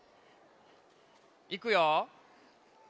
いくよ。